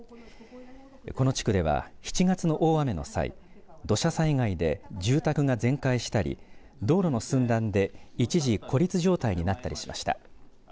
この地区では７月の大雨の際土砂災害で住宅が全壊したり道路の寸断で一時孤立状態になったりしました。